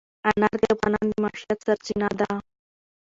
انار د افغانانو د معیشت سرچینه ده.